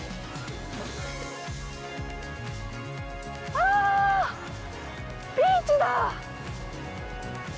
わ、ビーチだ！